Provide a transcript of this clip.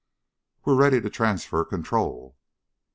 "We're ready to transfer control."